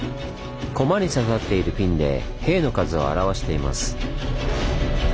コマに刺さっているピンで兵の数を表しています。